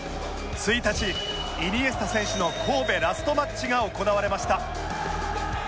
１日イニエスタ選手の神戸ラストマッチが行われました